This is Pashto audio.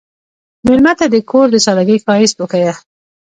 مېلمه ته د کور د سادګۍ ښایست وښیه.